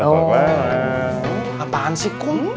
oh apaan sih kum